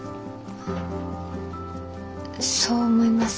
そう思います？